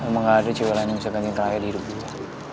emang gak ada cewek lain yang bisa gantikan raya di hidup gue